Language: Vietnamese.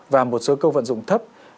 và một số câu vận dụng thấp